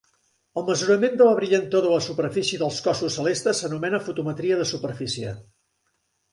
El mesurament de la brillantor de la superfície dels cossos celestes s'anomena fotometria de superfície.